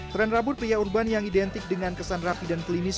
tren rambut pria urban yang identik dengan kesan rapi dan klinis